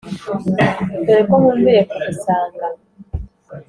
dore ko nkumbuye kugusanga